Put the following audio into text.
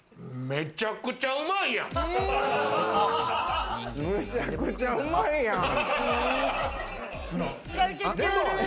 むちゃくちゃうまいやん！